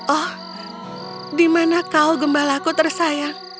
oh di mana kau gembalaku tersayang